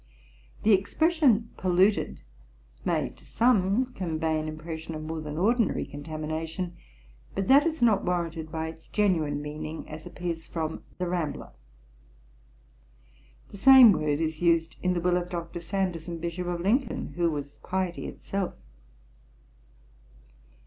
The expression polluted, may, to some, convey an impression of more than ordinary contamination; but that is not warranted by its genuine meaning, as appears from The Rambler, No. 42[F 8]. The same word is used in the will of Dr. Sanderson, Bishop of Lincoln [F 9], who was piety itself.